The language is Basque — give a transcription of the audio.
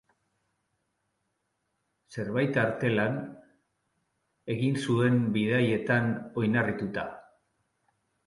Zenbait artelan egin zuen bidaietan oinarrituta.